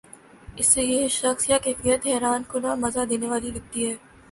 اسے یہ شخص یا کیفیت حیران کن اور مزا دینے والی لگتی ہے